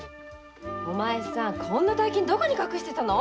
こんな大金どこに隠していたの？